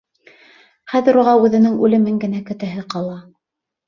Хәҙер уға үҙенең үлемен генә көтәһе ҡала.